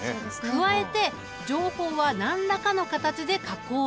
加えて情報は何らかの形で加工されている。